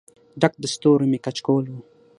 ډک د ستورو مې کچکول و